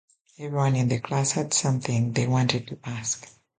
Everyone in the class had something they wanted to ask.